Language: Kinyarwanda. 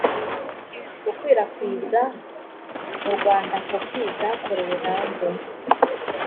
gukwirakiza mu rwanda kopi zakorewe hanze